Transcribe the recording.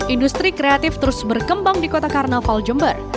industri kreatif terus berkembang di kota karnaval jember